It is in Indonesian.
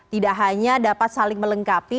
tidak hanya dapat saling melengkapi